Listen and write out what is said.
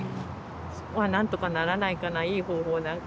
そこはなんとかならないかないい方法何か。